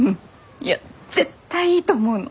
いや絶対いいと思うの。